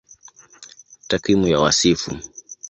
Takwimu ya Wasifu